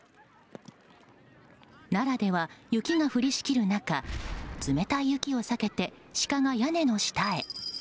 奈良では雪が降りしきる中冷たい雪を避けてシカが屋根の下へ。